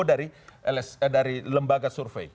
dari lembaga survei